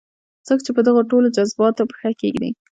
څوک چې په دغو ټولو جذباتو پښه کېږدي.